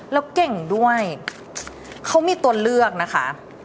แล้วเก่งด้วยเขามีตัวเลือกนะคะ